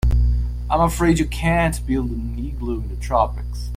I'm afraid you can't build an igloo in the tropics.